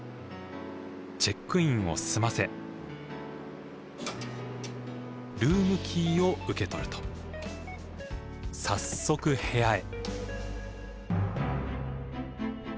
チェックインを済ませルームキーを受け取ると早速部屋へ。